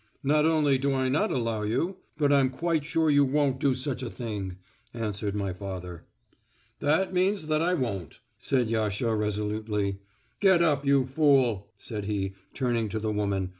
"Not only do I not allow you, but I'm quite sure you won't do such a thing," answered my father. "That means that I won't," said Yasha resolutely. "Get up, you fool," said he, turning to the woman.